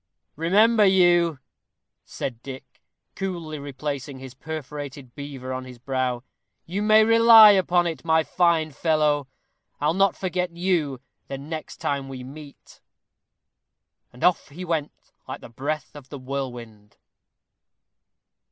"Remember you," said Dick, coolly replacing his perforated beaver on his brow; "you may rely upon it, my fine fellow, I'll not forget you the next time we meet." And off he went like the breath of the whirlwind.